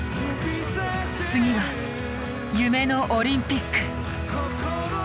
次は夢のオリンピック。